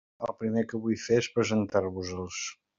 El primer que vull fer és presentar-vos-els.